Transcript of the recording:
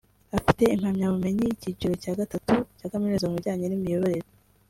Afite impamyabumenyi y’icyiciro cya gatatu cya Kaminuza mu bijyanye n’imiyoborere